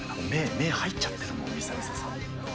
目、入っちゃってるもん、みさみささん。